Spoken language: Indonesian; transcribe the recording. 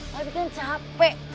tapi kan capek